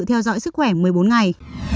theo dõi sức khỏe một mươi bốn ngày